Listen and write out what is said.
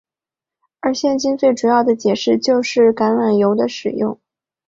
而现今最主要的解释就是橄榄油的使用。